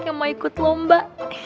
yang mau ikut lomba